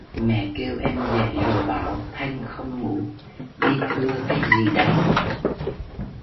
Mẹ kêu em dậy rồi bảo thanh không ngủ đi thưa cái gì đấy